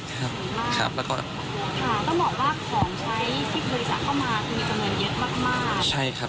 ต้องบอกว่าของใช้ที่บริษัทเข้ามาก็มีเจริญเยอะมาก